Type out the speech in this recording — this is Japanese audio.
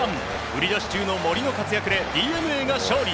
売り出し中の森の活躍でＤｅＮＡが勝利。